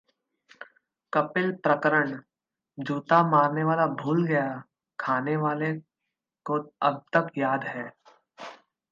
कपिल प्रकरण: जूता मारने वाला भूल गया, खाने वाले को अब तक याद है